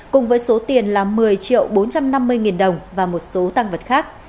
cùng với số tiền là một mươi bốn trăm năm mươi đồng và một số tăng vật khác